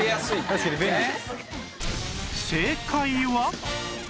確かに便利。